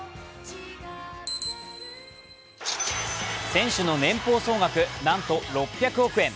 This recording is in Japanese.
選手の年俸総額なんと６００億円。